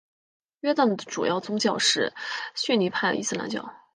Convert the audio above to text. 约旦的主要宗教是逊尼派伊斯兰教。